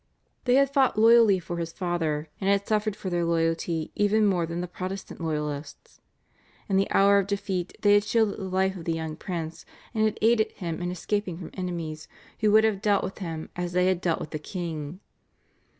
They had fought loyally for his father and had suffered for their loyalty even more than the Protestant loyalists. In the hour of defeat they had shielded the life of the young prince, and had aided him in escaping from enemies who would have dealt with him as they had dealt with the king.